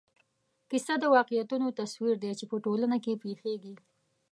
کیسه د واقعیتونو تصویر دی چې په ټولنه کې پېښېږي.